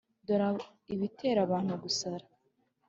dore i bitera abantu gusara.